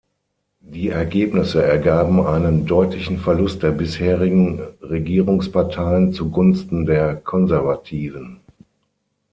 Die Ergebnisse ergaben einen deutlichen Verlust der bisherigen Regierungsparteien zu Gunsten der Konservativen.